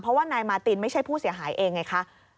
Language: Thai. เพราะว่านายมาตินไม่ใช่ผู้เสียหายเองไงคะ